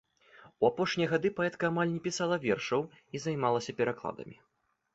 У апошнія гады паэтка амаль не пісала вершаў і займалася перакладамі.